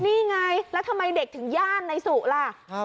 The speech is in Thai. นี่ไงแล้วทำไมเด็กถึงย่านในสุล่ะ